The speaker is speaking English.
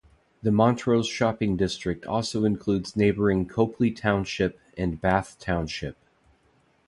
The Montrose shopping district also includes neighboring Copley Township and Bath Township.